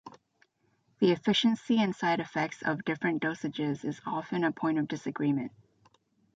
The efficiency and side effects of different dosages is often a point of disagreement.